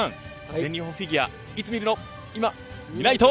全日本フィギュアいつ見るのいま、みないと。